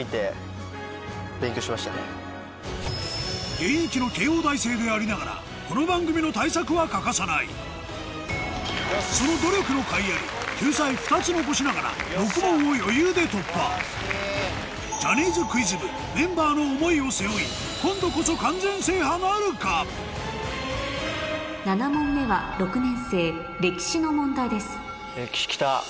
現役の慶応大生でありながらこの番組の対策は欠かさないその努力のかいあり救済２つ残しながら６問を余裕で突破ジャニーズクイズ部メンバーの７問目は６年生歴史の問題です